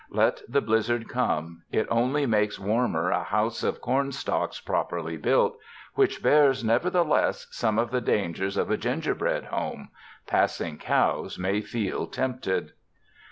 Let the blizzard come; it only makes warmer a house of cornstalks properly built, which bears, nevertheless, some of the dangers of a gingerbread home—passing cows may feel tempted.